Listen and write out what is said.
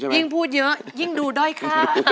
ยิ่งพูดเยอะยิ่งดูด้อยค่า